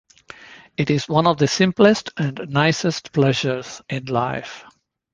It is one of the simplest and nicest pleasures in life.